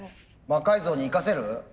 魔改造に生かせる？